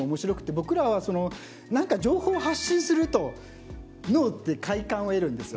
僕らはなんか情報を発信すると脳って快感を得るんですよ。